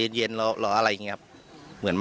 ตำรวจอีกหลายคนก็หนีออกจุดเกิดเหตุทันที